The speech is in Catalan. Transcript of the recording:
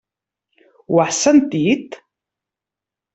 Ho has sentit?